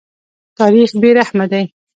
تاریخ بې رحمه دی.